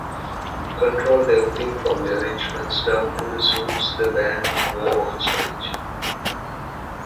He controlled everything from the arrangements down to the suits the band wore onstage.